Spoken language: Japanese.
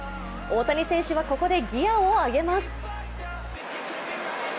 大谷選手はここでギヤを上げます。